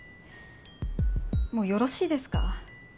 もうよろしいですか？